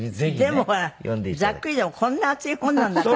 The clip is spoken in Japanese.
でもほらざっくりでもこんな厚い本なんだから。